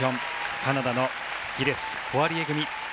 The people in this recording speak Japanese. カナダのギレス、ポワリエ組。